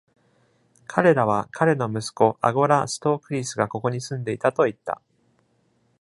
彼らは彼の息子アゴラ・ストークリスがここに住んでいたと言った。